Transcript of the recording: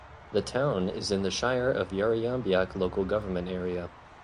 The town is in the Shire of Yarriambiack local government area.